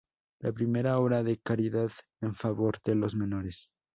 La primera obra de caridad en favor de los menores.